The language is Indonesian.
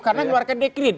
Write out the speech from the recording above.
karena mengeluarkan dekret